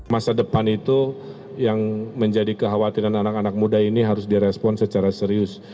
masa depan itu yang menjadi kekhawatiran anak anak muda ini harus direspon secara serius